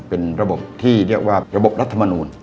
เป็นระบบที่เรียกว่าระบบรัฐมนูล